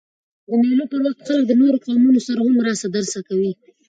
د مېلو پر وخت خلک له نورو قومونو سره هم راسه درسه کوي.